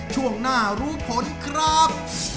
ช่วงหน้ารู้ผลครับ